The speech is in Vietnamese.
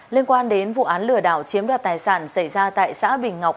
liên quan đến vụ án lừa đảo chiếm đoạt tài sản xảy ra tại xã bình ngọc